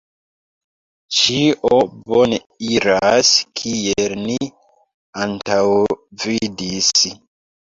Ĉio bone iras, kiel ni antaŭvidis.